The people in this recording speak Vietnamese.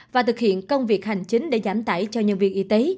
và thực hiện công việc hành chính để giảm tải cho nhân viên y tế